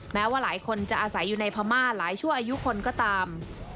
แม้ว่าหลายคนจะอาศัยอยู่ในพม่าหลายชั่วอายุคนก็ตาม